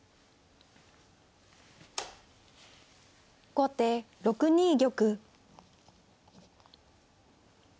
後手６二玉。